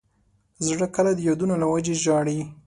زړه کله د یادونو له وجې ژاړي.